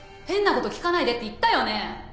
変なこと聞かないでって言ったよね？